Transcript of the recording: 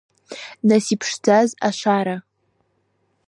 Нас иԥшӡаз ашара!